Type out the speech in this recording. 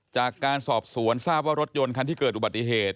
จากการสอบสวนทราบว่ารถยนต์คันที่เกิดอุบัติเหตุ